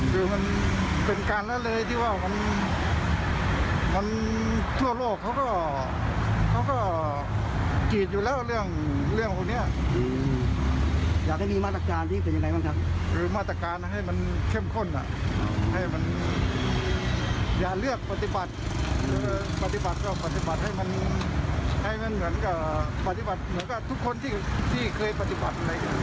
อย่าเลือกปฏิบัติปฏิบัติเพราะปฏิบัติให้เหมือนกับทุกคนที่เคยปฏิบัติ